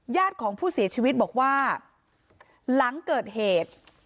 ญาติของผู้เสียชีวิตบอกว่าหลังเกิดเหตุ